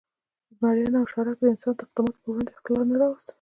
زمریانو او شارک د انسان د اقداماتو پر وړاندې اختلال نه راوست.